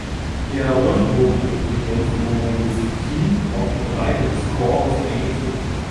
Der rundbogige Triumphbogen ist tief auf die Breite des Chores eingezogen.